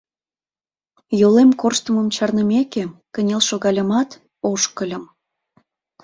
Йолем корштымым чарнымеке, кынел шогальымат, ошкыльым.